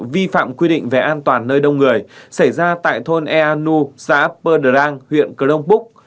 vi phạm quy định về an toàn nơi đông người xảy ra tại thôn ea nu xã pờ đờ rang huyện krongpuk